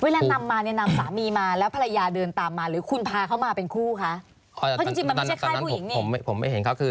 เวลานำมานี่นำสามีมาแล้วภรรยาเดินตามมาหรือคุณพาเข้ามาเป็นคู่คะ